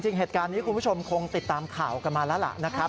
จริงเหตุการณ์นี้คุณผู้ชมคงติดตามข่าวกันมาแล้วล่ะนะครับ